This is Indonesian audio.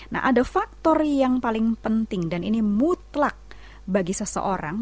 nah ada faktor yang paling penting dan ini mutlak bagi seseorang